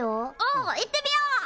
お行ってみよう。